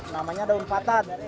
namanya daun patat